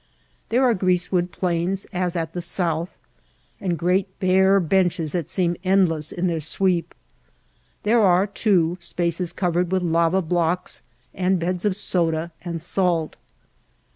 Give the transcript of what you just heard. There are grease vrood plains as at the south and great bare benches that seem endless in their sweep. There are, too, spaces covered with lava blocks and beds of soda and salt.